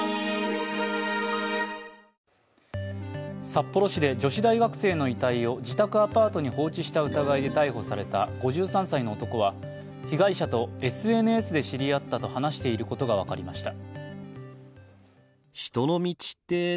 札幌市で女子大学生の遺体を自宅アパートに放置した疑いで逮捕された５３歳の男は被害者とＳＮＳで知り合ったと話していることが分かりました。